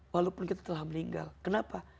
walaupun kita telah meninggal kenapa